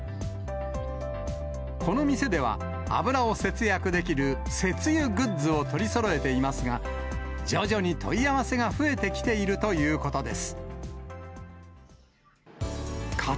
この店では、油を節約できる節油グッズを取りそろえていますが、徐々に問い合わせが増えてきているということです。